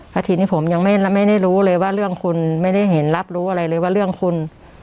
แล้วทีนี้ผมยังไม่ได้รู้เลยว่าเรื่องคุณไม่ได้เห็นรับรู้อะไรเลยว่าเรื่องคุณ